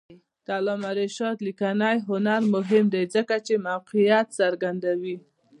د علامه رشاد لیکنی هنر مهم دی ځکه چې موقعیت څرګندوي.